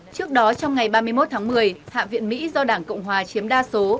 trước đó trong ngày ba mươi một tháng một mươi hạ viện mỹ do đảng cộng hòa chiếm đa số